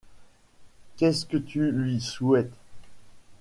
Qu’est-ce que tu lui souhaites?